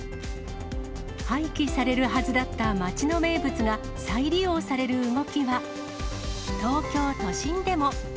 廃棄されるはずだった街の名物が再利用される動きは、東京都心でも。